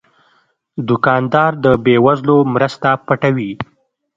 دوکاندار د بې وزلو مرسته پټوي.